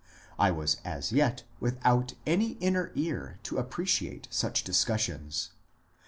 I was as yet without any inner ear to appreciate such discussions.